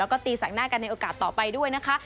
แล้วก็ตีแสงหน้ากันในโอกาสต่อไปด้วยนะคะ